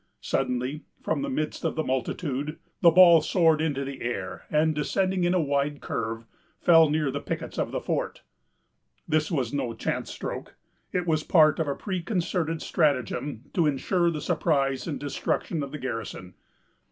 Suddenly, from the midst of the multitude, the ball soared into the air, and, descending in a wide curve, fell near the pickets of the fort. This was no chance stroke. It was part of a preconcerted stratagem to insure the surprise and destruction of the garrison.